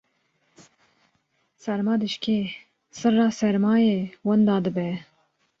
serma dişkê, sirra sermayê wenda dibe